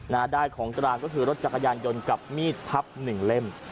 ได้ของกลางก็คือรถจักรยานยนต์กับมีดพับหนึ่งเล่ม